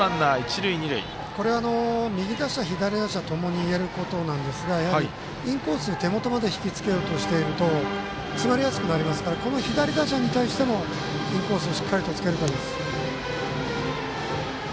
右打者、左打者ともにやることなんですがインコース手元まで引きつけようとしていると詰まりやすくなりますからこの左打者に対してのインコースをしっかり引きつけることです。